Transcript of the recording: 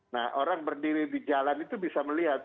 nah orang berdiri di jalan itu bisa melihat